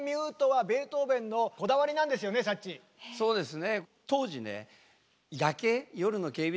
そうですね。